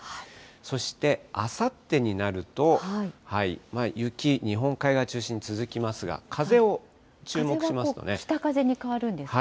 そしてあさってになると、雪、日本海側中心に続きますが、風は北風に変わるんですか？